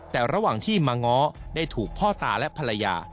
แต่ระหว่างที่มาง้อได้ถูกพ่อตาและภรรยา